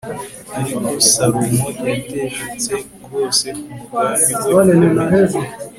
ariko salomo yateshutse rwose ku mugambi we ukomeye